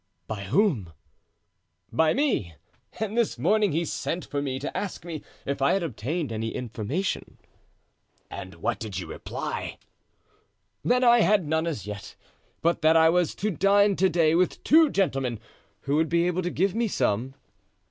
"By whom?" "By me; and this morning he sent for me to ask me if I had obtained any information." "And what did you reply?" "That I had none as yet; but that I was to dine to day with two gentlemen, who would be able to give me some."